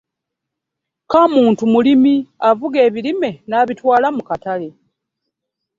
Kamuntu mulimi avuga ebirime n'abitwala mu katale .